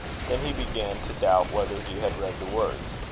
Then he began to doubt whether he had read the words.